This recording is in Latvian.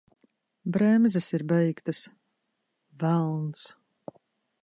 Bremzes ir beigtas! Velns!